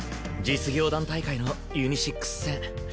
実業団大会のユニシックス戦。